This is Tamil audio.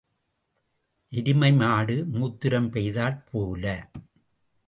எருமை மாடு மூத்திரம் பெய்தாற் போல.